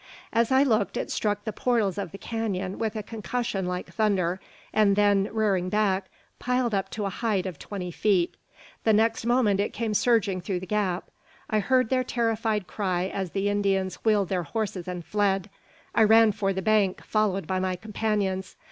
As I looked it struck the portals of the canon with a concussion like thunder, and then, rearing back, piled up to a height of twenty feet. The next moment it came surging through the gap. I heard their terrified cry as the Indians wheeled their horses and fled. I ran for the bank, followed by my companions.